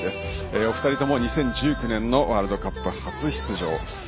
お二人とも２０１９年のワールドカップ初出場。